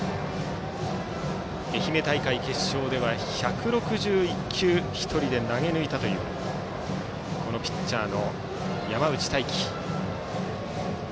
愛媛県決勝では１６１球を１人で投げ抜いたというこのピッチャーの山内太暉。